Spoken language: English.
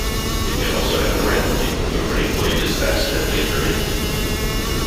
It can also happen randomly, if a printing plate is accidentally under-inked.